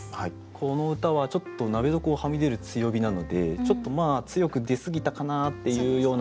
この歌はちょっと「鍋底をはみ出る強火」なのでちょっとまあ強く出すぎたかなっていうような歌なんでしょうね。